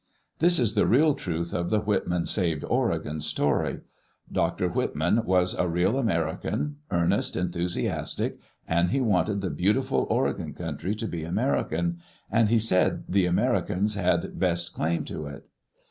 This is the real truth of the " Whitman saved Oregon " story. Dr. Whitman was a real American, earnest, enthu siastic, and he wanted the beautiful Oregon country to be American, and he said the Americans had the best claim to it.